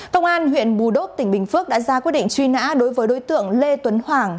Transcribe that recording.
công an huyện bù đốc tỉnh bình phước đã ra quyết định truy nã đối với đối tượng lê tuấn hoàng